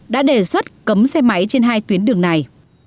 đã đề xuất cấm xe máy trên hai tuyến đường này